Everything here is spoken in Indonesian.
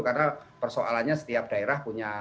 karena persoalannya setiap daerah punya